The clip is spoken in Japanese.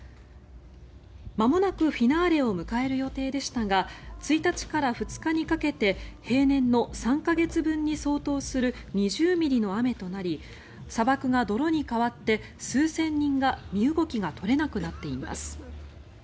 まもなくフィナーレを迎える予定でしたが１日から２日にかけて平年の３か月分に相当する２０ミリの雨となり砂漠が泥に変わって数千人が身動きが取れなくなっています。